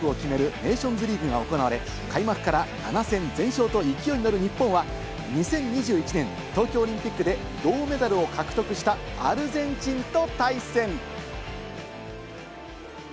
ネーションズリーグが行われ、開幕から７戦全勝と勢いにのる日本は、２０２１年、東京オリンピックで銅メダルを獲得した、アルゼンチンと対戦。